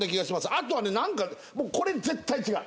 あとはねなんかもうこれ絶対違う。